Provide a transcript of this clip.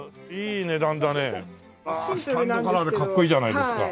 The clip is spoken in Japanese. スタンドカラーでかっこいいじゃないですか。